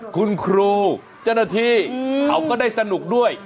คุณครูจนถีเขาก็ได้สนุกด้วย